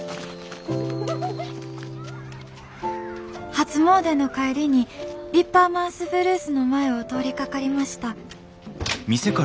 「初詣の帰りにディッパーマウス・ブルースの前を通りかかりました」。